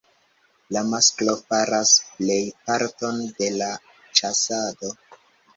La masklo faras plej parton de la ĉasado.